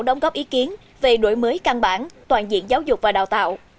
đóng góp ý kiến về đổi mới căn bản toàn diện giáo dục và đào tạo